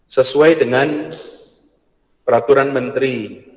sesuai dengan peraturan menteri